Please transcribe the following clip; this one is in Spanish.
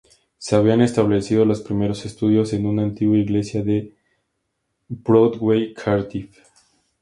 Se habían establecido los primeros estudios en una antigua iglesia en Broadway, Cardiff.